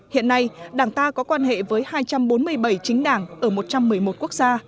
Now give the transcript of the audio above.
hiện nay đảng ta có quan hệ với hai trăm bốn mươi bảy chính đảng ở một trăm một mươi một quốc gia